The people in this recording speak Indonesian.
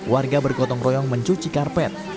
warga bergotong royong mencuci karpet